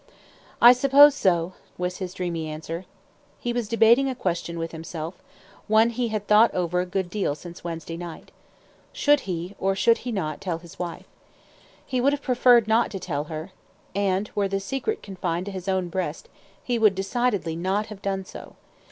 "I suppose so," was his dreamy answer. He was debating a question with himself, one he had thought over a good deal since Wednesday night. Should he, or should he not, tell his wife? He would have preferred not to tell her; and, were the secret confined to his own breast, he would decidedly not have done so.